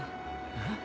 えっ？